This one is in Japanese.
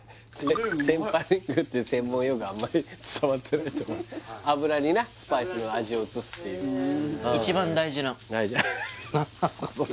テンパリングって専門用語あんまり伝わってないと思う油になスパイスの味を移すっていう一番大事な何なんですかそれ